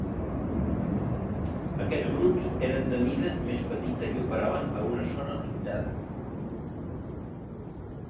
Aquests grups eren de mida més petita i operaven a una zona limitada.